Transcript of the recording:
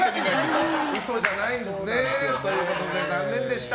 嘘じゃないんですね。ということで残念でした。